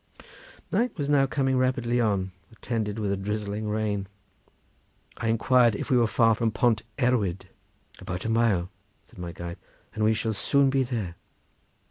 Night was now coming rapidly on, attended with a drizzling rain. I inquired if we were far from Pont Erwyd. "About a mile," said my guide; "we shall soon be there."